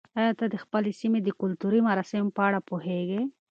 آیا ته د خپلې سیمې د کلتوري مراسمو په اړه پوهېږې؟